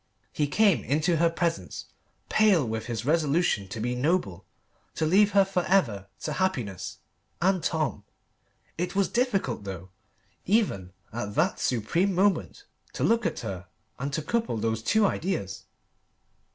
He came into her presence pale with his resolution to be noble, to leave her for ever to happiness and Tom. It was difficult though, even at that supreme moment, to look at her and to couple those two ideas.